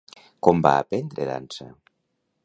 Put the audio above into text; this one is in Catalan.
Com va aprendre dansa?